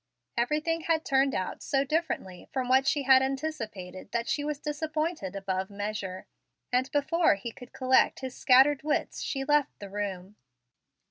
Everything had turned out so differently from what she had anticipated that she was disappointed above measure, and before he could collect his scattered wits she left the room.